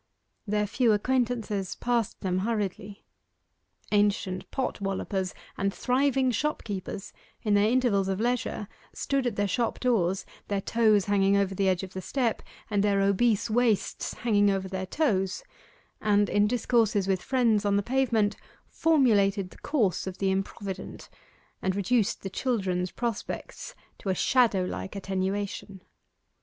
Their few acquaintances passed them hurriedly. Ancient pot wallopers, and thriving shopkeepers, in their intervals of leisure, stood at their shop doors their toes hanging over the edge of the step, and their obese waists hanging over their toes and in discourses with friends on the pavement, formulated the course of the improvident, and reduced the children's prospects to a shadow like attenuation.